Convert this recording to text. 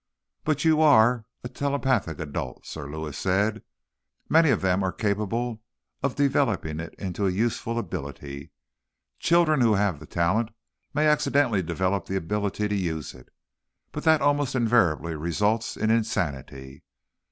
"But you are a telepathic adult," Sir Lewis said. "Many of them are capable of developing it into a useful ability. Children who have the talent may accidentally develop the ability to use it, but that almost invariably results in insanity.